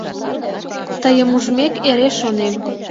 Тыйым ужмек, эре шонем...